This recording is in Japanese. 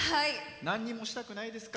なんにもしたくないですか？